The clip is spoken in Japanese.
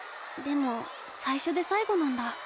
でも最初で最後なんだ。